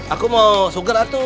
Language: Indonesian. aku mau sugar itu